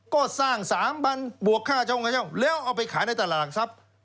ก็สร้าง๓บันบวกค่าเจ้าของเจ้าแล้วเอาไปขายในตลาดครับ